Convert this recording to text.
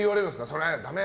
それダメ！